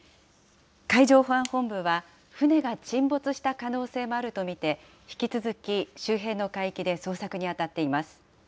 海上保安本部は、船が沈没した可能性もあると見て、引き続き、周辺の海域で捜索に当たっています。